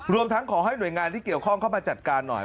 ทั้งขอให้หน่วยงานที่เกี่ยวข้องเข้ามาจัดการหน่อย